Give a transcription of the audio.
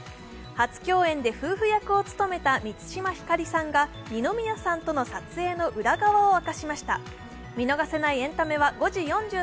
初共演で夫婦役を務めた満島ひかりさんが二宮さんとの撮影の裏側を明かしました。